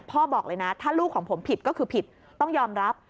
บอกเลยนะถ้าลูกของผมผิดก็คือผิดต้องยอมรับ